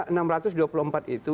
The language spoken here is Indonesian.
enam ratus dua puluh empat itu